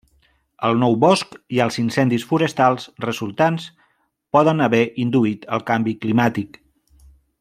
El nou bosc i els incendis forestals resultants poden haver induït el canvi climàtic.